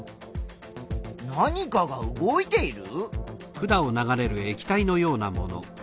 何かが動いている？